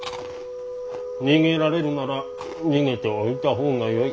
逃げられるなら逃げておいた方がよい。